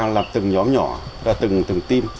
là từng nhóm nhỏ và từng team